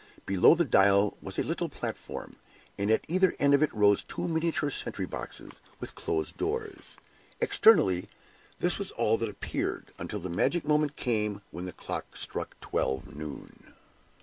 Below the dial was a little platform, and at either end of it rose two miniature sentry boxes, with closed doors. Externally, this was all that appeared, until the magic moment came when the clock struck twelve noon.